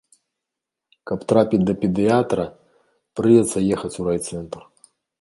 Каб трапіць да педыятра, прыйдзецца ехаць у райцэнтр.